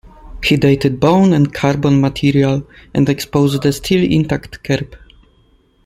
He dated bone and carbon material, and exposed the still-intact kerb.